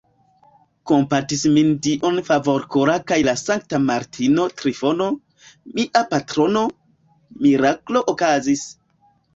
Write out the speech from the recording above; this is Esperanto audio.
Kompatis min Dio Favorkora kaj la sankta martiro Trifono, mia patrono: miraklo okazis!